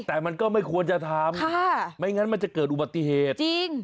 แต่มันก็ไม่ควรจะทำไม่งั้นมันจะเกิดอุบัติเหตุจริง